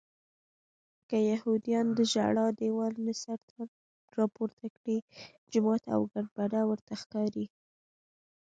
که یهودیان د ژړا دیوال نه سر راپورته کړي جومات او ګنبده ورته ښکاري.